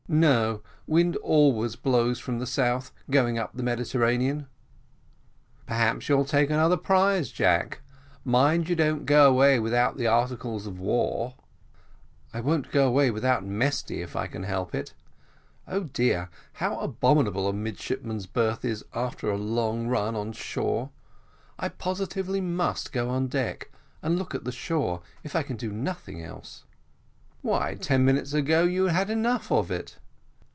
"No; wind always blows from the South going up the Mediterranean." "Perhaps you'll take another prize, Jack mind you don't go away without the articles of war." "I won't go away without Mesty, if I can help it. Oh, dear, how abominable a midshipman's berth is after a long run on shore! I positively must go on deck and look at the shore, if I can do nothing else." "Why, ten minutes ago you had had enough of it."